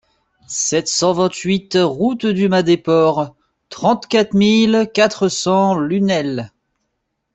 sept cent vingt-huit route du Mas Desport, trente-quatre mille quatre cents Lunel